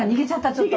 ちょっと！